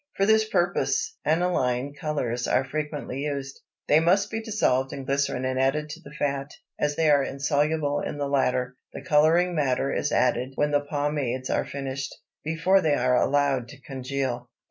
For this purpose aniline colors are frequently used; they must be dissolved in glycerin and added to the fat, as they are insoluble in the latter. The coloring matter is added when the pomades are finished, before they are allowed to congeal.